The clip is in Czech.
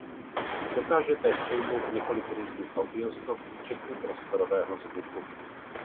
Dokáže též pojmout několik různých audio stop včetně prostorového zvuku.